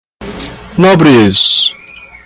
Nobres